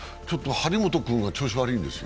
張本君が調子が悪いんですよ。